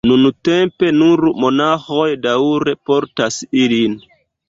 Nuntempe nur monaĥoj daŭre portas ilin.